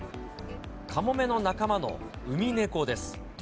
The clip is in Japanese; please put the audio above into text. カモメの仲間のウミネコです。